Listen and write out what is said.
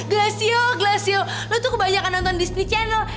glacio glacio lo tuh kebanyakan nonton disney channel